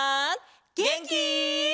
げんき？